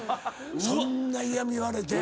そんな嫌み言われて。